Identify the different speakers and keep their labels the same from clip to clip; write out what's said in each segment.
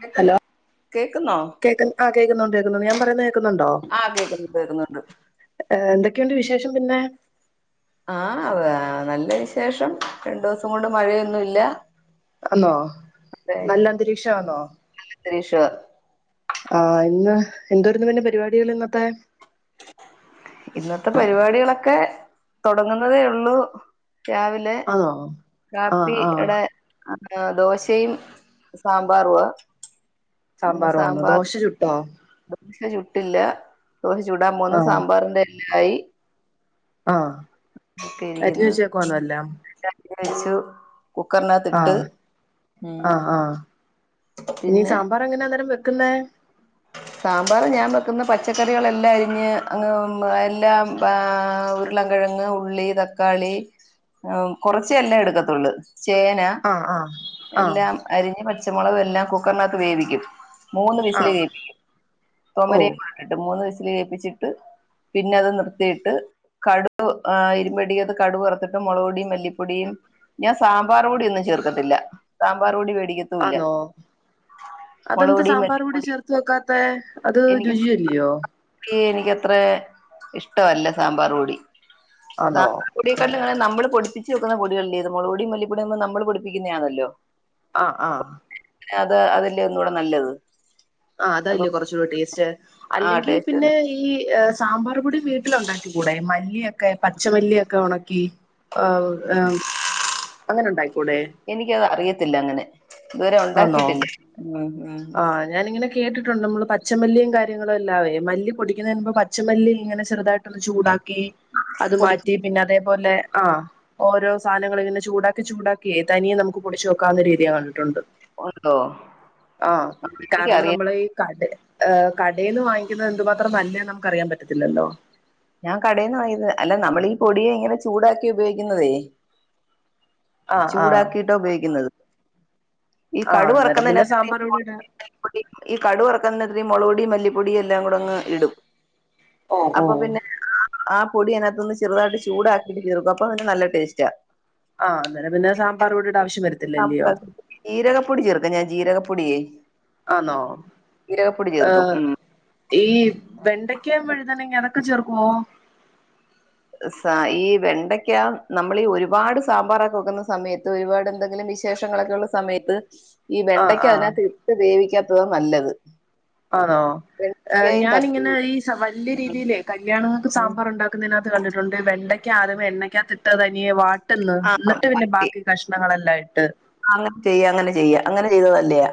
Speaker 1: കേക്ക
Speaker 2: ഹലോ
Speaker 1: കേക്കുന്നോ
Speaker 2: കേക്ക്ന്ന് ആഹ് കേക്കുന്നുണ്ട് കേക്കുന്നൊണ്ട് ഞാൻ പറയുന്ന കേക്കുന്നുണ്ടോ
Speaker 1: ആഹ് കേക്കുന്നു കേക്കുന്നുണ്ട്
Speaker 2: ഏഹ് ന്തൊക്കെണ്ട് വിശേഷം പിന്നെ
Speaker 1: ആഹ് വേ നല്ല വിശേഷം രണ്ടു ദിവസം കൊണ്ട് മഴയൊന്നുഇല്ല
Speaker 2: അന്നോ നല്ല അന്തരീക്ഷാന്നോ
Speaker 1: നല്ലന്തരീക്ഷവാ
Speaker 2: ആഹ് ഇന്ന് എന്തുവാരുന്നു പിന്നെ പരിപാടിക ഇന്നത്തെ
Speaker 1: ഇന്നത്തെ പരിപാടികളൊക്കെ തൊടങ്ങുന്നതേ ഉള്ളൂ രാവിലെ
Speaker 2: ആണോ ആ
Speaker 1: കാപ്പി
Speaker 2: ആ
Speaker 1: ടെ ആ ആഹ് ദോശയും സാമ്പാറുവാ പിന്നെ
Speaker 2: സാമ്പാറുവാന്നോ
Speaker 1: സാമ്പാർ
Speaker 2: ദോശ ചുട്ടോ
Speaker 1: ദോശ ചുട്ടില്ല ദോശ ചുടാൻ
Speaker 2: ആ
Speaker 1: പോന്ന് സാമ്പാറിന്റെ എല്ലായി
Speaker 2: ആഹ് അരിഞ്ഞ് വെച്ചേക്കുവാന്നോ എല്ലാം
Speaker 1: [inaudible] ച്ചു
Speaker 2: ആ
Speaker 1: കുക്കറിനാകത്തിട്ട് ഉം
Speaker 2: ആ
Speaker 1: പിന്നെ
Speaker 2: അങ്ങനാ അന്നേരം വെക്കുന്നേ
Speaker 1: സാമ്പാറ് ഞാൻ വെക്കുന്നെ പച്ചക്കറികളെല്ലാം അരിഞ്ഞ് അങ്ങ് എല്ലാം പ്പാ ഉരുളം കെഴങ് ഉള്ളി തക്കാളി ഉം കൊറച്ചെ എല്ലം എടുക്കത്തുള്ളൂ ചേ ന
Speaker 2: ആ ആ ആ
Speaker 1: എല്ലാം അരിഞ്ഞ് പച്ചമുളകും എല്ലാം കുക്കറിനകത്ത് വേവിക്കും മൂന്ന്
Speaker 2: ആ
Speaker 1: വിസല് കേ
Speaker 2: ഓ
Speaker 1: [unintelligible] മൂന്ന് വിസില് കേപ്പിച്ചിട്ട് പിന്നെ അത് നിർത്തിയിട്ട് കടുക് ആ ഇരുമ്പട്ടിയ്ക്കാത്ത് കടു വറത്തിട്ട് മുളക് പൊടിയും മല്ലിപ്പൊടിയും ഞാൻ സാമ്പാറ് പൊടി ഒന്നും ചേർക്കത്തില്ല സാമ്പാറ് പൊടി വേടി
Speaker 2: ആന്നോ
Speaker 1: മുളക്
Speaker 2: അതെന്ത്
Speaker 1: പൊടി
Speaker 2: സാമ്പാർപൊടി
Speaker 1: മല്ലിപ്പൊടി
Speaker 2: ചേർത്ത് വെക്കാത്തെത്
Speaker 1: എനിക്ക് [inaudible] സാമ്പാറ് പൊടി എനിക്കത്ര ഇഷ്ട വല്ല സാമ്പാറ് പൊടി
Speaker 2: ആന്നോ
Speaker 1: പൊടിത്തന്നെങ്ങനെ നമ്മള് പൊടിപ്പിച്ച് വെക്കുന്ന പൊടികളില്ലേ അത് മൊളക് പൊടിം മല്ലിപ്പൊടിം ഒന്നും നമ്മള് പൊടിപ്പിക്കുന്നെയാണല്ലോ
Speaker 2: ആഹ് ആഹ്
Speaker 1: അത് അതെല്ലേ ഒന്നൂടെ നല്ലത്
Speaker 2: ആഹ്
Speaker 1: അത്
Speaker 2: അതല്ലേ കുറച്ചൂടെ ടേസ്റ്റ്
Speaker 1: ആ
Speaker 2: അല്ലെങ്കി
Speaker 1: ടേസ്റ്റ്
Speaker 2: പിന്നെ
Speaker 1: തന്നെ
Speaker 2: ഈ സാമ്പാർപൊടി വീട്ടില് ഉണ്ടാക്കി കൂടെ മല്ലിയൊക്കെ പച്ചമല്ലിയൊക്കെ ഉണക്കി ആഹ് ആഹ് അങ്ങനെ ഉണ്ടായിക്കൂടെ
Speaker 1: എനിക്കത് അറിയത്തില്ല അങ്ങനെ ഇതുവരെ
Speaker 2: ആന്നോ
Speaker 1: ഉണ്ടാക്കിട്ടില്ല ഉംഉം
Speaker 2: ആഹ് ഞാനിങ്ങനെ കേട്ടിട്ടുണ്ട് നമ്മള് പച്ചമല്ലിയും കാര്യങ്ങളും എല്ലാവെ മല്ലി പൊടിക്കുന്നതിന് മുമ്പ് പച്ചമല്ലി ഇങ്ങനെ ചെറുതാ യിട്ടൊന്ന് ചൂടാക്കി അത്
Speaker 1: പൊടി
Speaker 2: മാറ്റി പിന്നെ അതേപോലെ ആഹ് ഓരോ സാധനങ്ങൾ ഇങ്ങനെ ചൂടാക്കി ചൂടാക്കി തനിയെ നമുക്ക് പൊടിച്ചു വെക്കാവുന്ന രീതി ഞാൻ കണ്ടിട്ടുണ്ട്
Speaker 1: ഒര് തോ
Speaker 2: ആഹ് കാരണം നമ്മളെ ഈ കട കടേന്ന് വാങ്ങിക്കുന്നത് എന്തുമാത്രം നല്ലേന്ന് നമുക്ക് അറിയാൻ പറ്റത്തില്ലല്ലോ
Speaker 1: ഞാൻ കടേന്ന് വാങ്യേത് അല്ല നമ്മളീ പൊടിയെ ഇങ്ങനെ ചൂടാക്കി ഉപയോഗിക്കുന്നതേ
Speaker 2: ആഹ് ആഹ്
Speaker 1: ചൂടാക്കിട്ടാ ഉപയോഗിക്കുന്നത് ഈ
Speaker 2: ആഹ്
Speaker 1: കടു
Speaker 2: അന്നേരം പിന്നെ
Speaker 1: വറുക്കുന്നതിനെപ്പറ്റി
Speaker 2: സാമ്പാർ പൊടി ഇടാ
Speaker 1: [unintelligible] ഈ കടുക് വർക്കന്നത്ലീ മൊളക് പൊടീം മല്ലി പൊടീം എല്ലാം കൂടെ അങ്ങ് ഇടും
Speaker 2: ഓ ഓ
Speaker 1: അപ്പം പിന്നെ ആ പൊടി അതിനാത്തൊന്ന് ചെറുതായിട്ട് ചൂടാക്കിട്ട് ചേർക്കും അപ്പൊ അതിന് നല്ല ടേസ്റ്റാ
Speaker 2: ആഹ് അന്നേരം പിന്നെ സാമ്പാർ പൊടീടെ ആവശ്യം വരത്തില്ല അല്ല്യോ
Speaker 1: ജീരകപ്പൊടി ചേർക്കും ഞാൻ ജീരകപ്പൊടിയേ
Speaker 2: ആന്നോ
Speaker 1: ജീരകപ്പൊടി ചേർക്കും
Speaker 2: ഏഹ്
Speaker 1: ഉം
Speaker 2: ഈ വെണ്ടയ്ക്ക വഴുതനെങ്ങ അതൊക്കെ ചേർക്കുവോ
Speaker 1: സ ഈ വെണ്ടയ്ക്ക നമ്മളീ ഒരുപാട് സാമ്പാറൊക്കെ വെക്കുന്ന സമയത്ത് ഒരുപാട് എന്തെങ്കിലും ലിമിറ്റേഷങ്ങളൊക്കെ ഉള്ള സമയത്ത് ഈ
Speaker 2: ആഹ്
Speaker 1: വെണ്ടയ്ക്ക
Speaker 2: ആഹ്
Speaker 1: അതിനത്തിട്ട് വേവിക്കാത്തതാ നല്ലത്
Speaker 2: ആന്നോ ആഹ്
Speaker 1: വെണ്ടയ്ക്കായും തക്ക
Speaker 2: ഞാനിങ്ങനെ ഈ വല്യ രീതിയിലെ കല്യാണങ്ങൾക്ക് സാമ്പാറുണ്ടാ ക്കുന്നേനാത്ത് കണ്ടിട്ടുണ്ട് വെണ്ടയ്ക്ക ആദ്യം എണ്ണക്ക്യാത്തിട്ടേ തനിയേ വാ ട്ടുന്ന്
Speaker 1: ആ
Speaker 2: എന്നിട്ട് പിന്നെ ബാക്കി കഷ്ണങ്ങളെല്ലാം ഇട്ട്
Speaker 1: അങ്ങനെ ചെയ്യ അങ്ങനെ ചെയ്യ അങ്ങനെ ചെയ്താ നല്ലെയാ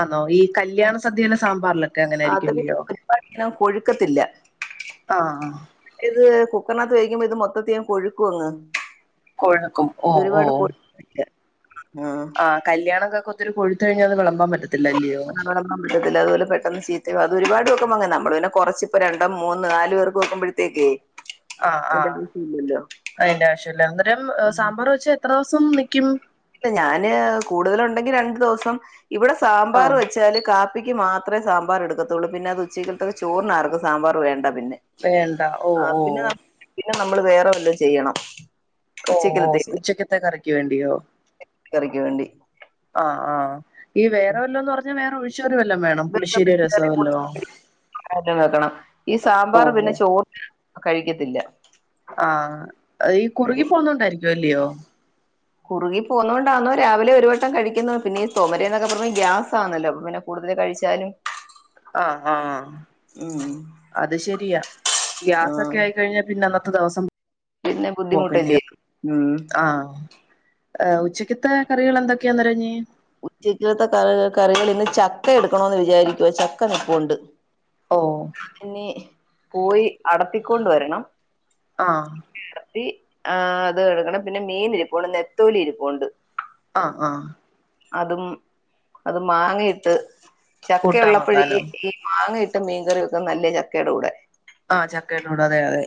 Speaker 2: ആന്നോ ഈ കല്യാണ സദ്യയിലെ സാമ്പാറിലൊക്കെ അങ്ങനെ ആയിരിക്കും അല്ലിയോ
Speaker 1: അപ്പം അധികം കൊഴുക്കത്തില്ല
Speaker 2: ആഹ് ആഹ്
Speaker 1: ഇത് കുക്കറിനകത്ത് വേവി ക്കുമ്പോ ഇത് മൊത്തത്തി അങ്ങ് കൊഴുക്കു അങ്
Speaker 2: കൊഴുക്കും ഓഹ് ഓഹ്
Speaker 1: ഇല്ല ആഹ്
Speaker 2: കല്യാണൊക്കെ ഒത്തിരി കൊഴുത്തഴിഞ്ഞാ അത് വെളമ്പാൻ പറ്റത്തില്ല അല്യോ
Speaker 1: നടക്കാൻ പറ്റത്തില്ല അതുപോലെ പെട്ടെന്ന് ചീത്തയാവും അത് ഒരുപാട് വെക്കുമ്പ അങ്ങനാ നമ്മള് പിന്നെ കൊറച്ച് പ്പൊ രണ്ട് മൂന്ന് നാല് പേർക്ക് വെക്കുമ്പഴ ത്തേക്കേ
Speaker 2: ആഹ് ആഹ് അയ്ന്റെ ആവശ്യല്ല അന്നേരം സാമ്പാർ വെച്ചാ എത്ര ദിവസം നിക്ക്യും
Speaker 1: ഇല്ല ഞാന് കൂടുതലുണ്ടെങ്കി രണ്ടു ദവസം ഇവടെ സാമ്പാർ
Speaker 2: ആഹ്
Speaker 1: വെച്ച വെച്ചാല് കാപ്പിക്ക് മാത്രമേ സാമ്പാർ എടുക്കത്തുള്ളൂ പിന്നെ അത് ഉച്ചക്ക്ത്തൊക്ക് ചോറിനാരും സാമ്പാർ വേണ്ട പിന്നെ
Speaker 2: വേണ്ട ഓഹ്
Speaker 1: ആഹ് പിന്നെ
Speaker 2: ഓഹ്
Speaker 1: ന- പിന്നെ നമ്മള് വേറെ വല്ല ചെയ്യണം
Speaker 2: ഓഹ് ഓഹ്
Speaker 1: ഉച്ചക്കലത്തേക്ക്
Speaker 2: ഉച്ചക്കത്തെ കറിക്ക് വേണ്ടിയോ
Speaker 1: കറിക്ക് വേണ്ടി
Speaker 2: ആഹ് ആഹ് ഈ വേറെ വല്ലം എന്ന് പറഞ്ഞാൽ വേറെ ഒഴിച്ചു കറി വല്ലം വേണോ
Speaker 1: [inaudible] വെക്കണം ഈ സാമ്പാർ
Speaker 2: ഓഹോ
Speaker 1: പിന്നെ ചോറ് കഴിക്കത്തില്ല
Speaker 2: ആഹ് ഈ
Speaker 1: ആരും
Speaker 2: കുറുകി പോവുന്നോണ്ടായിരിക്കും അല്ലയോ
Speaker 1: കുറുകി പോകുന്നോണ്ടാന്നോ രാവിലെ ഒരു വട്ടം കഴിക്കുന്നത് പിന്നെ ഈ തോമരയ എന്നൊക്കെ പറഞ്ഞ ഗ്യാസാന്നല്ലോ പിന്നെ കൂടുതൽ കഴിച്ചാല്
Speaker 2: ആഹ് ആഹ്
Speaker 1: ഉം
Speaker 2: അത് ശരിയാ
Speaker 1: ആ
Speaker 2: ഗ്യാസൊക്കെ ആയിക്കഴിഞ്ഞാ പിന്നെ അന്നത്തെ ദിവസം
Speaker 1: പിന്നെ ബുദ്ധിമുട്ടല്ലേ
Speaker 2: പോക്കണ്ടോ
Speaker 1: ഉം
Speaker 2: ആഹ് ഉച്ചക്കത്തെ കറികൾ എന്തൊക്കെയാ അന്നേരം ഇഞ്ഞി
Speaker 1: ഉച്ചക്കത്തെ കറികൾ ഇന്ന് ചക്ക എടുക്കണന്ന് വിചാരിക്കുവ ചക്ക നിപ്പുണ്ട്
Speaker 2: ഓഹ്
Speaker 1: ഇനി പോയി അടത്തിക്കൊണ്ട് വരണം
Speaker 2: ആഹ്
Speaker 1: അടത്തി ആഹ് അത് എടുക്കണം പിന്നെ മീൻ ഇരിപ്പ്ണ്ട് നെത്തോലി ഇരിപ്പ്ണ്ട്
Speaker 2: ആഹ് ആഹ്
Speaker 1: അതും അത് മാങ്ങയിട്ട്
Speaker 2: കൂട്ടാൻ
Speaker 1: ചക്കയുള്ളപ്പഴി
Speaker 2: വെക്കാനോ
Speaker 1: മാങ്ങയിട്ട് മീൻ കറി വക്കം നല്ല ചക്കയുടെ കൂടെ
Speaker 2: ആഹ് ചക്കടെ കൂടെ അതെ അതെ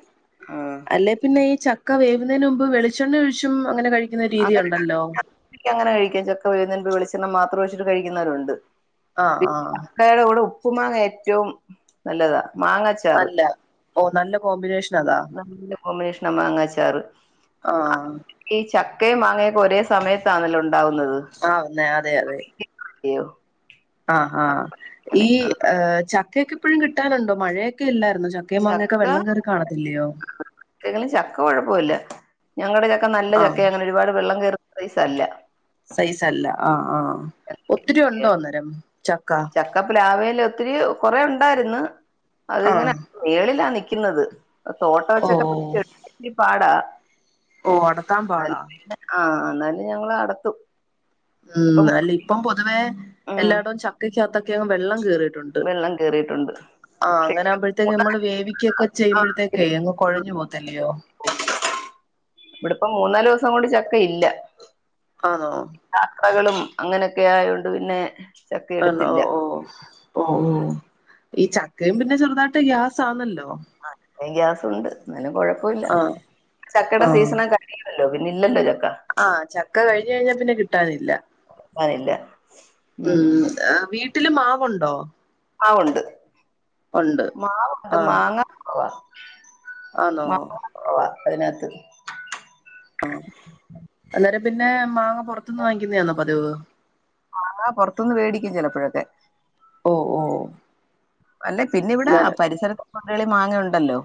Speaker 1: ആഹ്
Speaker 2: അല്ലെ പിന്നെ ഈ ചക്ക വേവുന്നതിന് മുമ്പ് വെളിച്ചെണ്ണ ഒഴിച്ചും അങ്ങനെ കഴിക്കും
Speaker 1: [inaudible] അങ്ങനെ കഴിക്കാം ചെക്ക വേവുന്നതിന് മുമ്പ് വെളിച്ചെണ്ണ മാത്രം ഒഴിച്ചിട്ട് കഴിക്കുന്നവരുണ്ട്
Speaker 2: ആഹ്
Speaker 1: പിന്നെ
Speaker 2: ആഹ്
Speaker 1: ചക്കയുടെ കൂടെ ഉപ്പു മാങ്ങ ഏറ്റവും നല്ലതാ മാങ്ങ
Speaker 2: നല്ല ഓ നല്ല കോമ്പിനേഷൻ അതാ
Speaker 1: ല്ല കോമ്പിനേഷൻ മാങ്ങാച്ചാറ്
Speaker 2: ആഹ്
Speaker 1: ഈ ചക്കയും മാങ്ങയൊക്കെ ഒരേ സമയത്താണല്ലോ ഉണ്ടാവുന്നത്
Speaker 2: ആ ഒന്നെ അതെ അതെ
Speaker 1: അയ്യോ
Speaker 2: ആ ആ
Speaker 1: അങ്ങനെ
Speaker 2: ഈ
Speaker 1: ആ
Speaker 2: ചക്കയൊക്കെ ഇപ്പോഴും കിട്ടാനുണ്ടോ മഴയൊക്കെ ഇല്ലായിരുന്നു ച ക്ക ആവുമ്പൊ അങ്ങനെയൊക്കെ വെള്ളം കയറി കാണത്തില്ലയോ
Speaker 1: ഏ ചക്ക കുഴപ്പമില്ല ഞങ്ങളുടെ ചക്ക നല്ല
Speaker 2: ആഹ്
Speaker 1: ചക്ക അങ്ങനെ ഒരുപാട് വെള്ളം കയറുന്ന സൈസല്ല
Speaker 2: സൈസ് അല്ല ആഹ് ആഹ് ഒത്തിരി ഉണ്ടോ അന്നേരം ചക്ക
Speaker 1: പ്ലാവേൽ ഒത്തിരി കൊറെ ഉണ്ടായിര്ന്ന് അതിങ്ങനെ
Speaker 2: ആഹ്
Speaker 1: മേളിലാ നിക്കുന്നത് തോട്ടം
Speaker 2: ഓ
Speaker 1: വെച്ചൊക്കെ പിടിച്ച് ഒത്തിരി പാടാ
Speaker 2: ഓ അടർത്താൻ പാടാ
Speaker 1: ആഹ് എന്നാലും ഞങ്ങള് അടർത്തും
Speaker 2: ഉം അല്ല ഇപ്പം പൊതുവേ
Speaker 1: ഉം
Speaker 2: എല്ലായിടവും ചക്കയ്ക്കകത്തൊക്കെയും വെള്ളം കയറിട്ട്
Speaker 1: വെള്ളം കയറിയിട്ടുണ്ട്
Speaker 2: ആഹ് അങ്ങനാകുമ്പോഴത്തേക്ക് നമ്മള് വേവിക്കൊക്കെ ചെയ്യുമ്പോഴത്തേക്കേ അങ്ങ് കൊഴഞ്ഞു പോകത്തില്ലയോ
Speaker 1: ഇവിടിപ്പം മൂന്നാല് ദിവസം കൊണ്ട് ചക്ക ഇല്ല
Speaker 2: ആണോ
Speaker 1: യാത്രകളും അങ്ങനൊക്കെ ആയൊണ്ട് പിന്നെ ചക്ക
Speaker 2: ആണോ
Speaker 1: എടുത്തില്ല
Speaker 2: ഓ ഓ ഓ ഓ ഈ ചക്കയും പിന്നെ ചെറുതായിട്ട് ഗ്യാസ് ആന്നല്ലോ
Speaker 1: ആ ഗ്യാസുണ്ട് എന്നാലും കുഴപ്പമില്ല
Speaker 2: ആഹ്
Speaker 1: ചക്കടെ
Speaker 2: ആഹ്
Speaker 1: സീസണൊ [inaudible] പിന്നെ ഇല്ലല്ലോ ചക്ക.
Speaker 2: ആഹ് ചക്ക കഴിഞ്ഞ് കഴിഞ്ഞാ പിന്നെ കിട്ടാനില്ല
Speaker 1: കിട്ടാനില്ല
Speaker 2: ഉം. ആഹ് വീട്ടില് മാവൊണ്ടോ?
Speaker 1: ആഹ് ഒണ്ട് മാവൊണ്ട്
Speaker 2: ആഹ്
Speaker 1: മാങ്ങ കൊറവാ
Speaker 2: ആന്നോ
Speaker 1: മാങ്ങാ കൊറവാ അതിനാത്ത്.
Speaker 2: ആഹ് അന്നേരം പിന്നെ മാങ്ങ പൊറത്തൂന്ന് വാങ്ങിക്കുന്നെയാണോ പതിവ്
Speaker 1: മാങ്ങ പൊറത്തൂന്ന് മേടിക്കും ചെലപ്പഴൊക്കെ
Speaker 2: ഓഹ് ഓഹ്
Speaker 1: അല്ലാ പിന്നെ ഇവിടെ പരിസരത്തെ വീടുകളി മാങ്ങ ഒണ്ടല്ലോ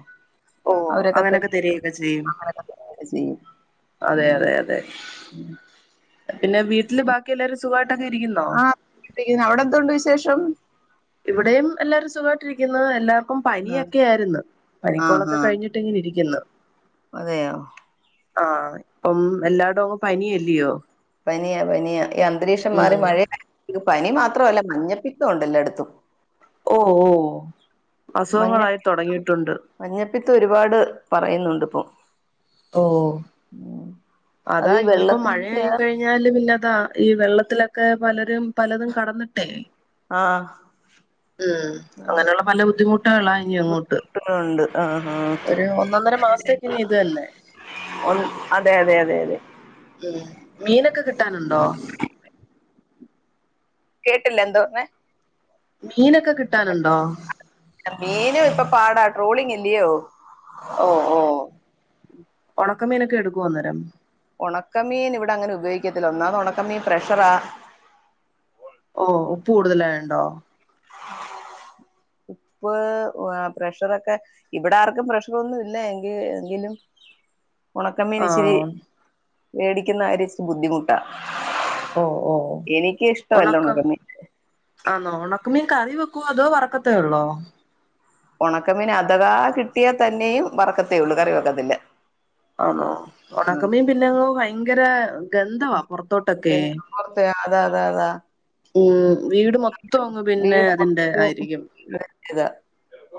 Speaker 2: ഓ
Speaker 1: അവരൊക്കെ
Speaker 2: അങ്ങനെയൊക്കെ തരികയൊക്കെ ചെയ്യും
Speaker 1: [unintelligible] ചെയ്യും
Speaker 2: അതെ അതെ അതെ
Speaker 1: ഉം
Speaker 2: പിന്നെ വീട്ടില് ബാക്കി എല്ലാരും സുഖവായിട്ടൊക്കെ ഇരിക്കുന്നോ?
Speaker 1: ക്കുന്നു അവിടെ എന്തൊണ്ട് വിശേഷം?
Speaker 2: ഇവിടെയും എല്ലാവരും സുഖവായിട്ടിരിക്കുന്നു എല്ലാർക്കും
Speaker 1: ആ
Speaker 2: പനിയൊക്കെ ആയിരുന്നു
Speaker 1: ആഹ്
Speaker 2: പനിക്കോളൊക്കെ
Speaker 1: ആഹ്
Speaker 2: കഴിഞ്ഞി ട്ട്ങ്ങനെ ഇരിക്കുന്നു
Speaker 1: അതെയോ
Speaker 2: ആഹ് ഇപ്പം എല്ലാടോം അങ്ങ് പനിയല്ലയോ
Speaker 1: പനിയാ പനിയാ ഈ അന്തരീക്ഷം
Speaker 2: ഉം
Speaker 1: മാറി മഴ [unintelligible] പനി മാത്രല്ലാ മഞ്ഞപ്പിത്തോം ഒണ്ട് എല്ലാടത്തും
Speaker 2: ഓഹ് ഓഹ്
Speaker 1: മഞ്ഞ
Speaker 2: അസുഖങ്ങളായി തൊടങ്ങിയിട്ടുണ്ട്
Speaker 1: മഞ്ഞപ്പിത്തം ഒരുപാട് പറയുന്നുണ്ട് ഇപ്പം
Speaker 2: ഓഹ്
Speaker 1: ഉം അതീ വെള്ളത്തിന്റെയാ
Speaker 2: കഴിഞ്ഞാലും [unintelligible] ഇല്ല ഈ വെള്ളത്തിലൊക്കെ പലരും പലതും കടന്നിട്ടെ
Speaker 1: ആഹ്
Speaker 2: ഉം അങ്ങനെയുള്ള പല ബുദ്ധിമുട്ടുകളാ ഇനി അങ്ങോ ട്ട്
Speaker 1: ഉണ്ട് ആഹ്
Speaker 2: ഒരു ഒന്നൊന്നര മാസത്തേക്ക് ഇനി ഇതല്ലേ
Speaker 1: ഒണ്ട് അതെ അതെ അതെ അതെ
Speaker 2: ഉം മീനൊക്കെ കിട്ടാനുണ്ടോ?
Speaker 1: കേട്ടില്ലാ എന്താ പറഞ്ഞെ
Speaker 2: മീനൊക്കെ കിട്ടാനുണ്ടോ
Speaker 1: ആഹ് മീനും ഇപ്പൊ പാടാ ട്രോളിങ്ങല്ലയോ.
Speaker 2: ഓഹ് ഓഹ് ഒണക്കമീനൊക്കെ എടുക്കുവോ അന്നേരം
Speaker 1: ഒണക്കമീൻ ഇവിടെ അങ്ങനെ ഉപയോഗിക്കത്തില്ലാ ഒന്നാമത് ഒണക്കമീൻ പ്രഷറാ.
Speaker 2: ഓഹ് ഉപ്പ് കൂടുതലായോണ്ടോ?
Speaker 1: ഉപ്പ് പ്രഷറൊക്കെ ഇവിടെ ആർക്കും പ്രഷറൊന്നും ഇല്ലാ എങ്കി എങ്കിലും ഒണക്കമ്മീൻ ഇച്ചിരി
Speaker 2: ആഹ്
Speaker 1: മേടിക്കുന്ന കാര്യം ഇച്ചിരി ബുദ്ധിമുട്ടാ
Speaker 2: ഓ ഓ
Speaker 1: എനിക്ക് ഇഷ്ട്ടവല്ലാ
Speaker 2: ഉണക്ക
Speaker 1: ഒണക്കമീൻ
Speaker 2: ആന്നോ ഒണക്ക മീൻ കറി വെക്കുവോ അതോ വറക്കത്തേ ഒള്ളോ
Speaker 1: ഒണക്കമീൻ അഥവാ കിട്ടിയാ തന്നെയും വറക്കത്തേ ഒള്ളൂ കറി വെക്കത്തില്ലാ
Speaker 2: ആന്നോ ഓണക്കമീൻ പിന്നെ ഭയങ്കര ഗന്ധവാ പൊറത്തോട്ടൊക്കെയെ
Speaker 1: എന്താ പുറത്ത് അതാ അതാ അതാ
Speaker 2: ഉം വീട് മൊത്തം അങ്ങ് പിന്നെ
Speaker 1: വീട്
Speaker 2: അതിന്റെ
Speaker 1: പുറത്ത്
Speaker 2: ആയിരിക്കും
Speaker 1: ഇതാ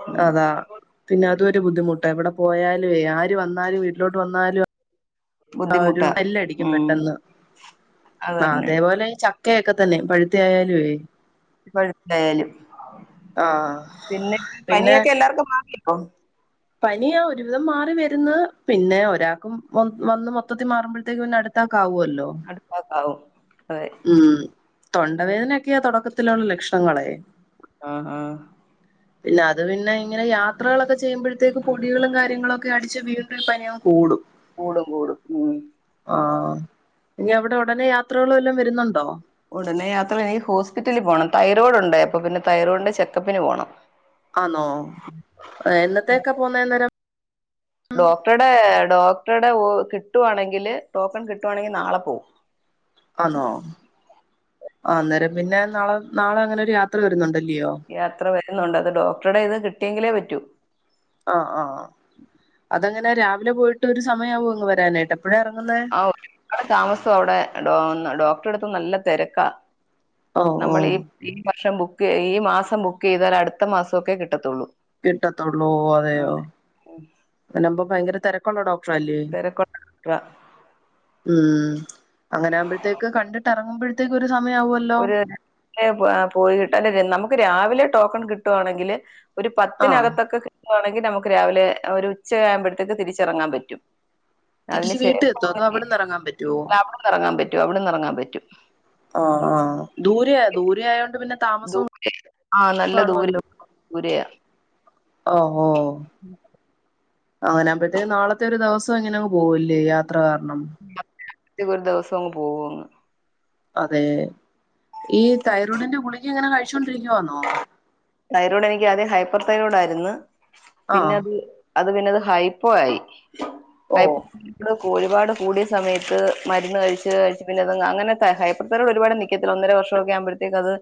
Speaker 1: ഉം.
Speaker 2: അതാ പിന്നെ അതു ഒരു ബുദ്ധിമുട്ടാ എവിടെ പോയാലുവെ ആര് വന്നാലു ലോട്ട് വന്നാലുവാ ആ ഒരു
Speaker 1: ബുദ്ധിമുട്ടാ
Speaker 2: സ്മെലടിക്കും
Speaker 1: ഉം
Speaker 2: പെട്ടെന്ന്. ആ
Speaker 1: അതന്നെ
Speaker 2: അതേപോലെ ച കേക്കെത്തന്നെ പഴുത്ത ആയാലുവേ.
Speaker 1: പ്പഴുത്തായാലും
Speaker 2: ആഹ്
Speaker 1: പിന്നെ പനിയൊക്കെ എല്ലാർക്കും മാറിയോ
Speaker 2: പനി ആ ഒരുവിധം മാറി വരുന്ന് പിന്നെ ഒരാൾക്കും വന്ന് മൊത്തത്തിൽ മാറുമ്പോഴത്തേക്ക് പിന്നെ അടുത്ത് ക്കാവല്ലോ
Speaker 1: അടുത്താക്കാവും അതെ
Speaker 2: ഉം തൊണ്ടവേദനക്ക ക്കയാ തൊടക്കത്തിലുള്ള ലക്ഷണങ്ങളെ,
Speaker 1: ആഹ് ആഹ്
Speaker 2: പിന്നെ അത് പിന്നെ ഇങ്ങനെ യാത്രകളൊക്കെ ചെയ്യുമ്പോഴ ത്തേക്ക് പൊടികളും കാര്യങ്ങളൊക്കെ അടിച്ച് വീണ്ടും ഈ പനിയങ്ങ് കൂടും.
Speaker 1: കൂടും കൂടും ഉം.
Speaker 2: ആഹ് ഇനി അവിടെ ഉടനെ യാത്രകള് വല്ലോം വരുന്നുണ്ടോ?
Speaker 1: ഉടനെ യാത്ര എനിക്ക് ഹോസ്പിറ്റലിൽ പോണം തൈറോയിഡ് ഉണ്ട് അപ്പൊ പിന്നെ തൈറോയിഡിന്റെ ചെക്കപ്പിന് പോണം.
Speaker 2: ആന്നോ എന്നന്നത്തേക്കാ പോകുന്നന്നേരം
Speaker 1: ഡോക്ടറുടെ ഡോക്ടറുടെ ഒ കിട്ടുവാണെങ്കില് ടോക്കൺ കിട്ടുവാണെങ്കില് നാളെ പോവും.
Speaker 2: ആന്നോ ആഹ് അന്നേരം പിന്നെ നാളെ നാളെ അങ്ങനെ ഒരു യാത്ര
Speaker 1: ഉം.
Speaker 2: വരുന്നുണ്ടല്ലയോ?
Speaker 1: യാത്ര വരുന്നുണ്ട് അത് ഡോക്ടറുടെ ഇത് കിട്ടിയെങ്കിലേ പറ്റൂ
Speaker 2: ആഹ് ആഹ് അതങ്ങനെ രാവിലെ പോയിട്ട് ഒരു സമയാവോ ഇങ്ങ് വരാനായിട്ട് എപ്പഴാ ഇറങ്ങുന്നേ,
Speaker 1: അടെ താമസം അവിടെ ടൊ ഡോക്ടറടുത്ത് നല്ല തിരക്കാ,
Speaker 2: ഓ ഓ
Speaker 1: നമ്മൾ ഈ ഈ വർഷം ബുക്ക് ഈ മാസം ബുക്ക് ചെയ്താൽ അടുത്ത മാസമൊക്കെ കിട്ടത്തുള്ളൂ.
Speaker 2: കിട്ടത്തുള്ളൂ
Speaker 1: ആ,
Speaker 2: അതെയോ
Speaker 1: ഉം.
Speaker 2: അതിനുപ്പ ഭയങ്കര തെര ള്ള ഡോക്ടറ അല്ലേ
Speaker 1: തിരക്കുള്ള ഡോക്ടറാ.
Speaker 2: ഉം അങ്ങനെകുമ്പോഴത്തേക്ക് കണ്ടിട്ടിറങ്ങുമ്പോഴത്തേക്ക് ഒരു സമയ ആവു
Speaker 1: ഒര് [unintelligible] നമുക്ക് രാവിലെ ടോക്കൺ കിട്ടുവാണെങ്കില് ഒരു
Speaker 2: ആഹ്
Speaker 1: പത്തിനകത്തൊക്കെ കിട്ടുവാണെങ്കില് നമുക്ക് രാവിലെ ഒരു ഉച്ചയാകുമ്പോഴത്തേക്ക് തിരിച്ചെറങ്ങാൻ പറ്റും. അതിന്
Speaker 2: തിരിച്ച് വീട്ടിൽ എത്തോ അതോ
Speaker 1: ശേഷമാണെങ്കിൽ
Speaker 2: അവിടുന്ന് ഇറങ്ങാൻ പറ്റുവോ
Speaker 1: അവിടന്ന് ഇറങ്ങാൻ പറ്റും അവിടന്ന് ഇറങ്ങാൻ പറ്റും.
Speaker 2: ആഹ് ആഹ് ദൂരെയാ ദൂരെ ആയതോണ്ട് പിന്നെ താമസവും
Speaker 1: ദൂര ആഹ് നല്ല ദൂരെ
Speaker 2: കാണുമല്ലോ
Speaker 1: ദൂരയാ,
Speaker 2: ഓഹ് ഓഹോ അങ്ങനെ ആകുമ്പോത്തേക്ക് നാളത്തെ ഒരു ദിവസം അങ്ങനങ്ങ് പോവുല്ലേ യാത്ര കാരണം
Speaker 1: ഒരു ദിവസം അങ്ങ് പോവോങ്ങ്
Speaker 2: അതെ ഈ തൈറോയ്ഡിന്റെ ഗുളിക എങ്ങനെ കഴിച്ചോണ്ടിരിക്കവാന്നോ?
Speaker 1: തൈറോയ്ട് എനിക്ക് ആദ്യം ഹൈപ്പർ തൈറോഡായിരുന്നു പിന്നെ
Speaker 2: ആഹ്
Speaker 1: അത് അത് പിന്നെ അത് ഹൈപ്പോ ആയി ഹൈ
Speaker 2: ഓഹ്
Speaker 1: ഒരുപാട് കൂടിയ സമയത്ത് മരുന്ന് കഴിച്ച് കഴിച്ച് പിന്നെ അത് അങ്ങനെ ഹൈ ഒരു പാട് നിൽക്കത്തില്ല ഒന്നര വർഷമൊക്കെ ആകുമ്പഴത്തേക്ക് അത്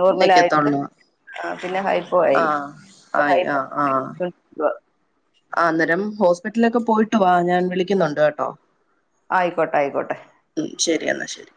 Speaker 1: നോർമലായിട്ട്,
Speaker 2: നിക്കത്തുള്ളൂ ആഹ് ആയി
Speaker 1: ഹൈപ്പോ
Speaker 2: ആഹ് ആഹ് ആഹ് അന്നേരം ഹോസ്പിറ്റലിലൊക്കെ പോയിട്ടു വാ ഞാൻ വിളിക്കുന്നുണ്ട് കേട്ടോ
Speaker 1: ആയിക്കോട്ടെ ആയിക്കോട്ടെ
Speaker 2: ഉം ശെരി എന്നാൽ ശെരി